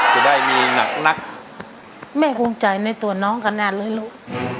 จะได้มีหนักนักแม่ภูมิใจในตัวน้องกันแน่เลยลูก